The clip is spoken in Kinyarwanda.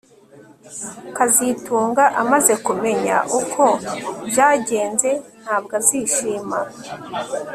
kazitunga amaze kumenya uko byagenze ntabwo azishima